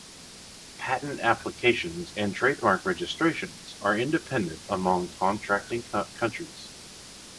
Patent applications and trademark registrations are independent among contracting countries.